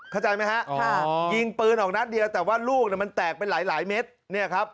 เข้าใจไหมฮะยิงปืนออกนัดเดียวแต่ว่าลูกมันแตกไปหลายเม็ดเนี่ยครับ